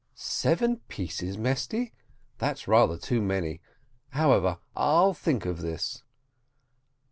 "Seven pieces, Mesty! that's rather too many. However, I'll think of this."